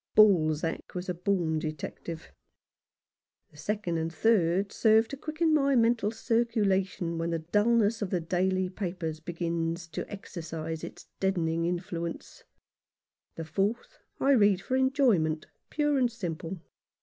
Balzac was a born detective. The second and third serve to quicken my mental circulation when the dulness of the daily papers begins to exercise its deaden ing influence ; the fourth I read for enjoyment pure and simple.